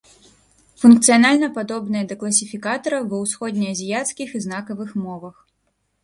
Функцыянальна падобныя да класіфікатараў ва ўсходне-азіяцкіх і знакавых мовах.